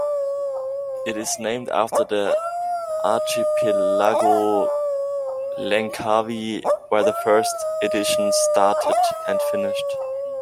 It is named after the archipelago Langkawi, where the first edition started and finished.